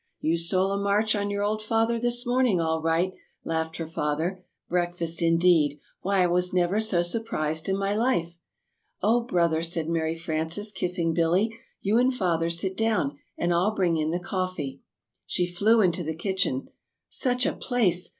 "You stole a march on your old father this morning, all right," laughed her father. "Breakfast, indeed! Why, I never was so surprised in my life." [Illustration: "Why I never was so surprised in my life"] "Oh, Brother," said Mary Frances, kissing Billy; "you and Father sit down, and I'll bring in the coffee." She flew into the kitchen. Such a place!